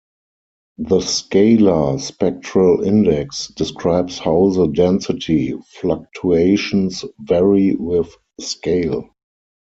The scalar "spectral index" describes how the density fluctuations vary with scale.